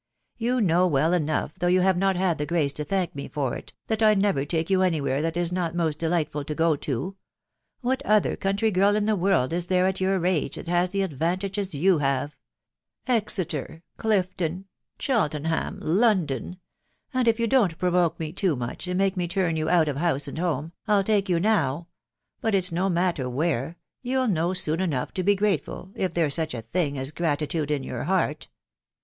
Yon know well enough, though you have not had the grace to thank me for it, that I never take you any where that it is not moat delightful to go to. ••. What other country girl in the world is there at your age that has had the advantages you have .... Exeter .... Clifton .... Cheltenham .... London ; and if you don't provoke me too much, and make me turn you out of house and home, 111 take you now •••• bat it ■ no matter where — you'll know soon enough to be grateful, if there* such a thing as gratitude \n ^oux Wxt. ..